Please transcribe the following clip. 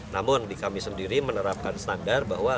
namun di kami sendiri menerapkan standar bahwa